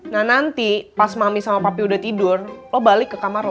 nah nanti pas mami sama papi udah tidur lo balik ke kamar lo